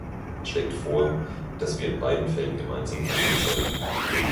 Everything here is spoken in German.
Er schlägt vor, dass wir in beiden Fällen gemeinsam handeln sollten.